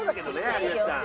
有吉さん。